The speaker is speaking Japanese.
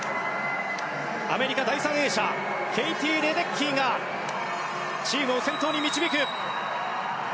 アメリカ第３泳者ケイティ・レデッキーがチームを先頭に導く。